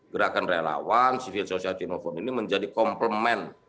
gerakan relawan civil society movement ini menjadi komplement